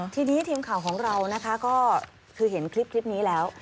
ทีนี้ทีมข่าวของเรานะคะก็คือเห็นคลิปนี้แล้ว